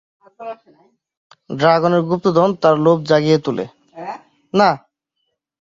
ড্রাগনের গুপ্তধন তার লোভ জাগিয়ে তোলে।